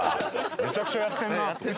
めちゃくちゃやってんなって。